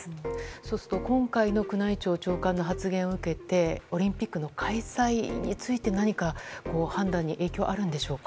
そうすると今回の宮内庁長官の発言を受けてオリンピックの開催について何か判断に影響はあるんでしょうか。